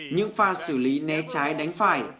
những pha xử lý né trái đánh phải